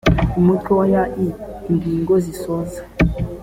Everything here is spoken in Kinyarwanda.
umutwe wa ya iii ingingo zisoza